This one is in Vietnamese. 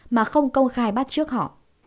mà không công khai bắt trước họ